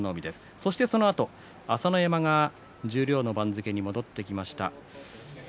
そしてそのあと朝乃山、十両の番付に戻ってきました。